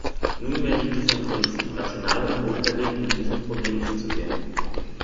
Nunmehr liegt es an uns, rational und wohlüberlegt mit diesem Problem umzugehen.